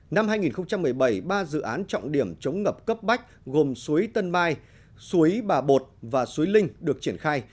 năm hai nghìn một mươi bảy ba dự án trọng điểm chống ngập cấp bách gồm suối tân mai suối bà bột và suối linh được triển khai